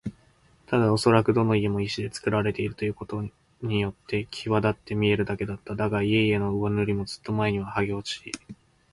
ただおそらくどの家も石でつくられているということによってきわだって見えるだけだった。だが、家々の上塗りもずっと前にはげ落ち、